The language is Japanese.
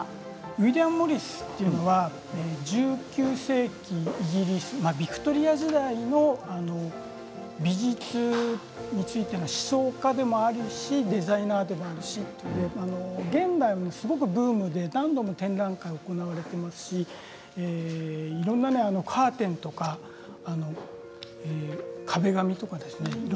ウィリアム・モリスというのは１９世紀のイギリスヴィクトリア時代の美術についての思想家でもあるしデザイナーでもあるし現代でもすごくブームで何度も展覧会を行っていますしいろいろカーテンとか壁紙とか。